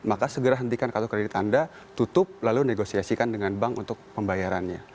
maka segera hentikan kartu kredit anda tutup lalu negosiasikan dengan bank untuk pembayarannya